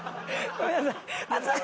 ごめんなさい熱い。